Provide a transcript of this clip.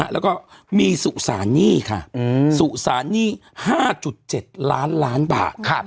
แล้วก็มีสุสานหนี้ค่ะสุสานหนี้๕๗ล้านล้านบาท